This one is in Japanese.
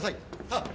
さあ。